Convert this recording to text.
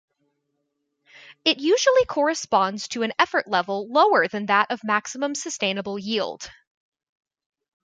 It usually corresponds to an effort level lower than that of maximum sustainable yield.